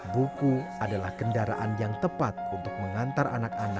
buku adalah kendaraan yang tepat untuk mengantar anak anak